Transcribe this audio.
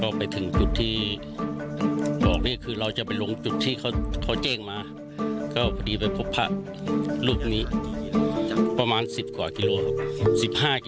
ตอนนั้นเริ่มถอยลงมาว่าไม่มีความมั่นใจว่าจะจัดการทางแรก